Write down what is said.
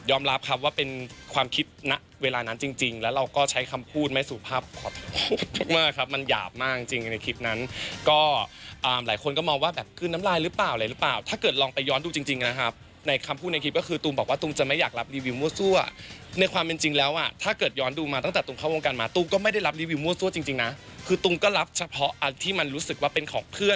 ยอมรับครับว่าเป็นความคิดนั้นเวลานั้นจริงแล้วเราก็ใช้คำพูดไม่สูงภาพขอโทษมากครับมันหยาบมากจริงในคลิปนั้นก็หลายคนก็มองว่าแบบคือน้ำลายหรือเปล่าอะไรหรือเปล่าถ้าเกิดลองไปย้อนดูจริงนะครับในคำพูดในคลิปก็คือตูมบอกว่าตูมจะไม่อยากรับรีวิวมั่วซั่วในความเป็นจริงแล้วถ้าเก